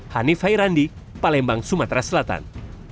hanif hairandi palembang sumatera selatan